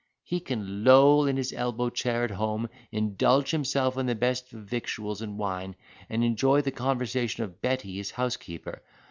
He can loll in his elbow chair at home, indulge himself in the best of victuals and wine and enjoy the conversation of Betty, his housekeeper.